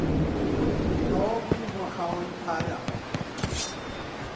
تەواو ببوومە خاوەن پارە.